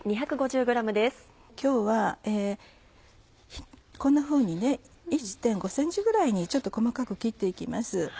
今日はこんなふうに１．５ｃｍぐらいにちょっと細かく切って行きます。